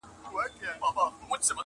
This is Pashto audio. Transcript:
• احساس د سړیتوب یم ور بللی خپل درشل ته..